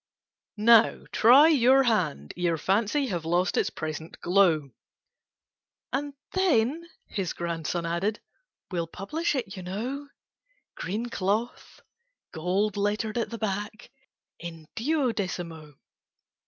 "Now try your hand, ere Fancy Have lost its present glow—" "And then," his grandson added, "We'll publish it, you know: Green cloth—gold lettered at the back— In duodecimo!"